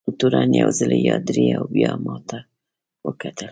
تورن یو ځلي پادري او بیا ما ته وکتل.